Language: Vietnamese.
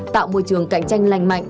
tạo môi trường cạnh tranh lành mạnh